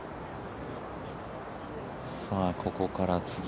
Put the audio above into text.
さあ、ここから次。